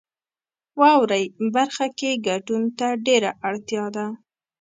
واورئ برخه کې ګډون ته ډیره اړتیا ده.